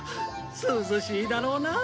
涼しいだろうなあ。